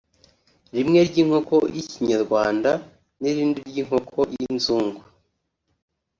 rimwe ry’inkoko y’inyarwanda n’irindi ry’inkoko y’inzugu